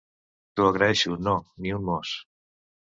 T'ho agraeixo, no, ni un mos.